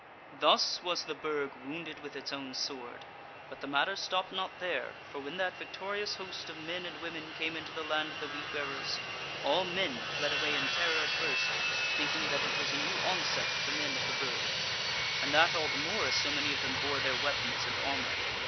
"Thus was the Burg wounded with its own sword: but the matter stopped not there: for when that victorious host of men and women came into the land of the Wheat wearers, all men fled away in terror at first, thinking that it was a new onset of the men of the Burg; and that all the more, as so many of them bore their weapons and armour.